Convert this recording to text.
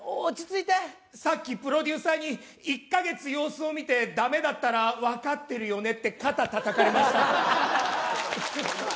さっきプロデューサーに、１か月様子を見て、だめだったら分かってるよねって、肩たたかれました。